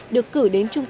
được cử đến trung tâm